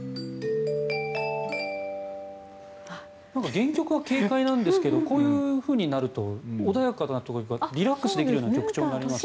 原曲は軽快なんですがこういうふうになると穏やかだなというかリラックスできるような曲調になりますね。